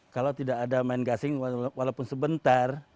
kalau tidak ada main gasing walaupun sebentar